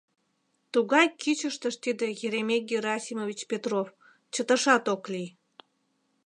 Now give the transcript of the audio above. Тугай кӱчыштыш тиде Еремей Герасимович Петров — чыташат ок лий.